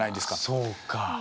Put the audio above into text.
そうか。